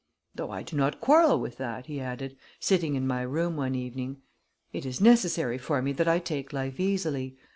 "Though I do not quarrel with that," he added, sitting in my room one evening. "It is necessary for me that I take life easily.